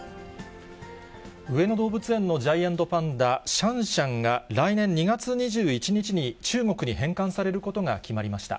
上野動物園のジャイアントパンダ、シャンシャンが、来年２月２１日に中国に返還されることが決まりました。